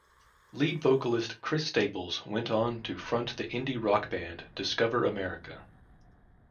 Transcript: Lead vocalist Chris Staples went on to front the indie rock band Discover America.